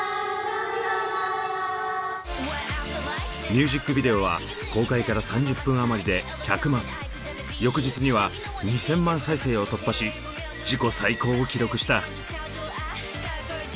ミュージックビデオは公開から３０分余りで１００万翌日には２，０００万再生を突破し自己最高を記録した。